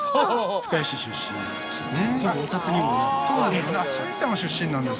深谷市出身なんです。